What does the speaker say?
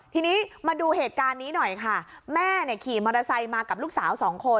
ทีนี้มาดูเหตุการณ์นี้หน่อยค่ะแม่เนี่ยขี่มอเตอร์ไซค์มากับลูกสาวสองคน